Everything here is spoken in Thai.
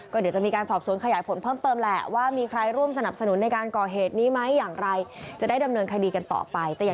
ก็เดี๋ยวจะมีการสอบสวนขยายผลเพิ่มเติมแหละ